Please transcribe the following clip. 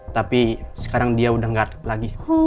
tapi sekarang dia udah gak lagi